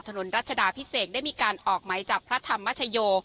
รัชดาพิเศษได้มีการออกไหมจับพระธรรมชโย